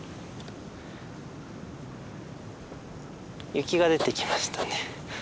雪が出てきましたね。